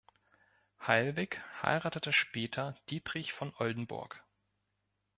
Heilwig heiratete später Dietrich von Oldenburg.